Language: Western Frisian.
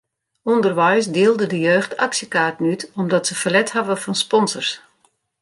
Underweis dielde de jeugd aksjekaarten út omdat se ferlet hawwe fan sponsors.